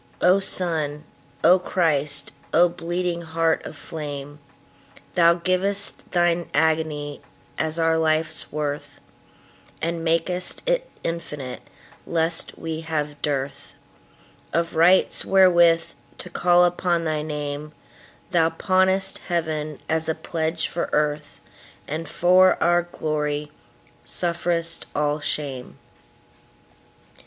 O Sun, O Christ, O bleeding Heart of flame! Thou giv'st Thine agony as our life's worth, And mak'st it infinite, lest we have dearthOf rights wherewith to call upon thy Name; Thou pawnest Heaven as a pledge for Earth, And for our glory sufferest all shame.